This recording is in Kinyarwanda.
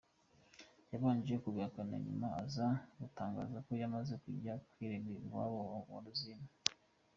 yabanje kubihakana nyuma aza kuzatangaza ko yamaze kujya kwirega iwabo wa Rosine.